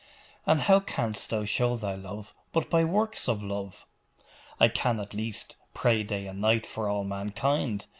And how canst thou show thy love but by works of love?' 'I can, at least, pray day and night for all mankind.